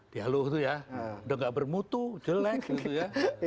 dihaluh tuh ya udah gak bermutu jelek gitu ya